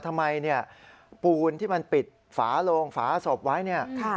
ทำไมเนี่ยปูนที่มันปิดฝาโลงฝาศพไว้เนี่ย